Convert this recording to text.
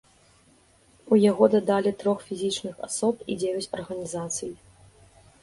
У яго дадалі трох фізічных асоб і дзевяць арганізацый.